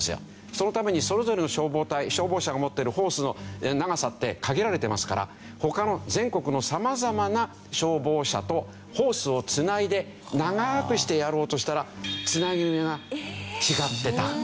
そのためにそれぞれの消防隊消防車が持ってるホースの長さって限られてますから他の全国のさまざまな消防車とホースをつないで長くしてやろうとしたらそんな事が？